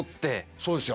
そうですよ。